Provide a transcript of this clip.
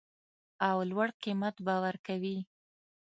او لوړ قیمت به ورکوي